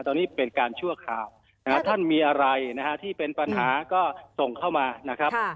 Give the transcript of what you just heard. ตอนนี้เป็นการชั่วคราวท่านมีอะไรนะฮะที่เป็นปัญหาก็ส่งเข้ามานะครับ